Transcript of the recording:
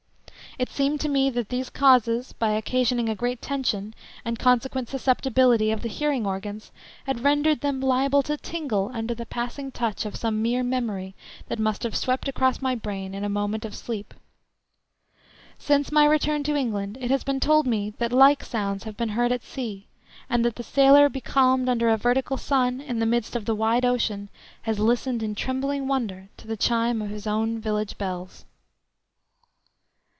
It seemed to me that these causes, by occasioning a great tension, and consequent susceptibility, of the hearing organs had rendered them liable to tingle under the passing touch of some mere memory that must have swept across my brain in a moment of sleep. Since my return to England it has been told me that like sounds have been heard at sea, and that the sailor becalmed under a vertical sun in the midst of the wide ocean has listened in trembling wonder to the chime of his own village bells.